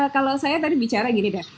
kalau saya tadi bicara gini deh